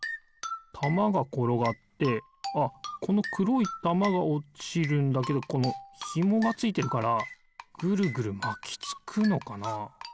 たまがころがってああこのくろいたまがおちるんだけどこのひもがついてるからぐるぐるまきつくのかな。